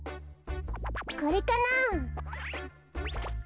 これかなあ？